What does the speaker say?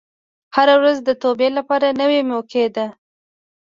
هره ورځ د توبې لپاره نوې موقع ده.